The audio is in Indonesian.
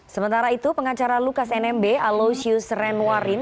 sementara itu pengacara lukas nmb alosius renwarin